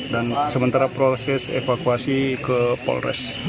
dan sementara proses evakuasi ke polres